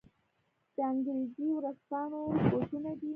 د انګرېزي ورځپاڼو رپوټونه دي.